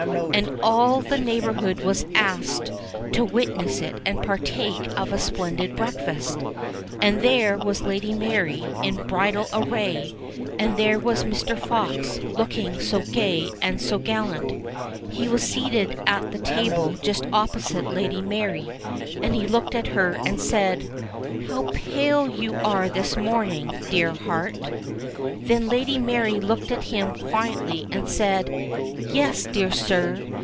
And all the neighbourhood was asked to witness it and partake of a splendid breakfast. And there was Lady Mary in bridal array, and there was Mr. Fox, looking so gay and so gallant. He was seated at the table just opposite Lady Mary, and he looked at her and said : "How pale you are this morning, dear heart." Then Lady Mary looked at him quietly and said, "Yes, dear sir